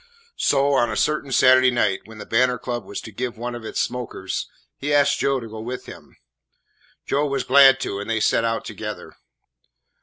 So on a certain Saturday night when the Banner Club was to give one of its smokers, he asked Joe to go with him. Joe was glad to, and they set out together.